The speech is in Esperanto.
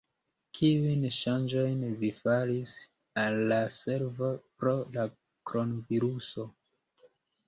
Kiujn ŝanĝojn vi faris al la servo pro la kronviruso?